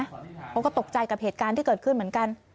เขาก็ตกใจกับเหตุการณ์ที่เกิดขึ้นเหมือนกัน